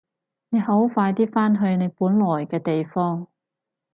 你好快啲返去你本來嘅地方！